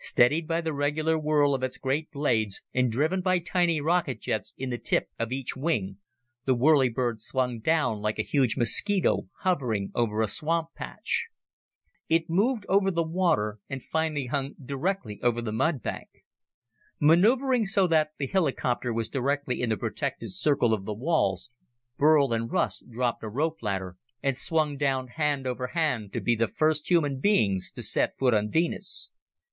Steadied by the regular whirl of its great blades and driven by tiny rocket jets in the tip of each wing, the whirlybird swung down like a huge mosquito hovering over a swamp patch. It moved over the water and finally hung directly over the mudbank. Maneuvering so that the helicopter was directly in the protected circle of the walls, Burl and Russ dropped a rope ladder and swung down hand over hand to be the first human beings to set foot on Venus.